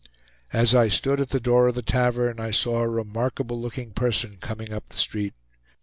As I stood at the door of the tavern, I saw a remarkable looking person coming up the street.